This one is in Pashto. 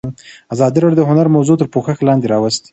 ازادي راډیو د هنر موضوع تر پوښښ لاندې راوستې.